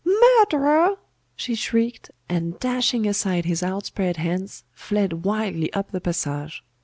'Murderer!' she shrieked, and dashing aside his outspread hands, fled wildly up the passage.